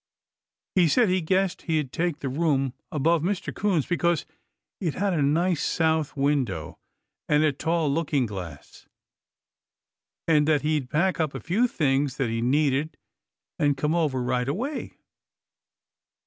He said he guessed he'd take the room above Mr. 'Coon's, because it had a nice south window and a tall looking glass, and that he'd pack up a few things that he needed and come over right away.